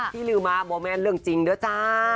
ที่ลือมาโมเมนต์เรื่องจริงเด้อจ้า